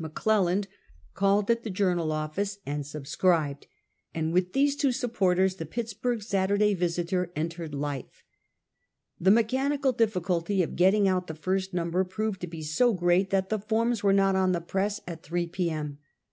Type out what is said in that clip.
McClelland called at the Journal office and subscribed, and with these two supporters, the Pittsburg Saturday Visiter, en tered life. The mechanical difficulty of getting out the first number proved to be so great that the forms were not on the press at 3 p. m.